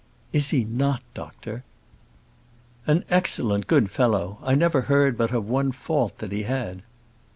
"Is he not, doctor?" "An excellent, good fellow. I never heard but of one fault that he had."